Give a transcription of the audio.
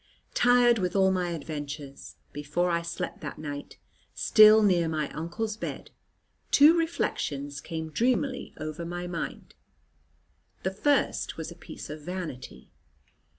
Tired with all my adventures, before I slept that night still near my uncle's bed two reflections came dreamily over my mind. The first was a piece of vanity.